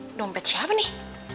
hai dompetnya apa nih